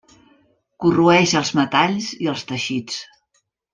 Corroeix els metalls i els teixits.